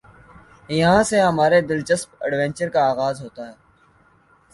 یہاں سے ہمارے دلچسپ ایڈونچر کا آغاز ہوتا ہے ۔